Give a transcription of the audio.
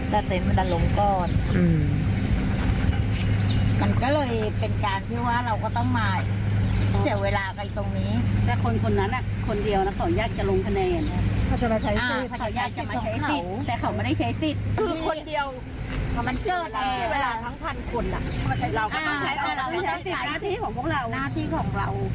แต่เต็นต์ไม่ได้ลงก้อน